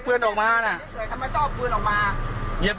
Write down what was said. เปิดอย่างไหนถ้าเกิดเปลี่ยน